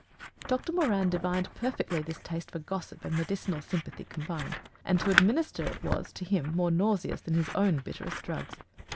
Doctor Moran divined perfectly this taste for gossip and MEDICINAL sympathy combined, and to administer it was, to him, more nauseous than his own bitterest drugs.